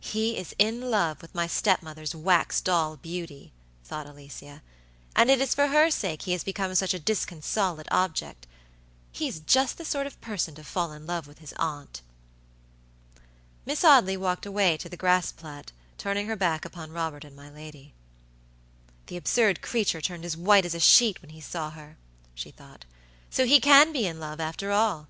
"He is in love with my step mother's wax doll beauty," thought Alicia, "and it is for her sake he has become such a disconsolate object. He's just the sort of person to fall in love with his aunt." Miss Audley walked away to the grass plat, turning her back upon Robert and my lady. "The absurd creature turned as white as a sheet when he saw her," she thought. "So he can be in love, after all.